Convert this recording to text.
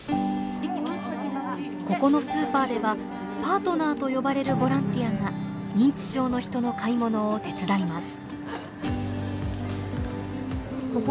ここのスーパーではパートナーと呼ばれるボランティアが認知症の人の買い物を手伝います。